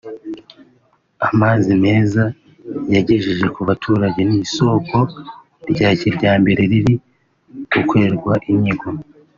amazi meza yagejeje ku baturage n’isoko rya kijyambere riri gukorerwa inyigo